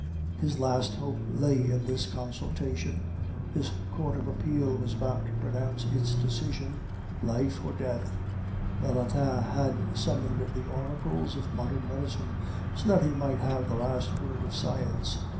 His last hope lay in this consultation. This court of appeal was about to pronounce its decision life or death. Valentin had summoned the oracles of modern medicine, so that he might have the last word of science.